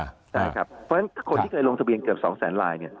ใช่ครับเพราะฉะนั้นคนที่เคยลงทะเบียงเกือบสองแสนลายเนี่ย